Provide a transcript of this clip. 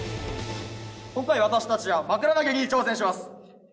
今回私たちは枕投げに挑戦します。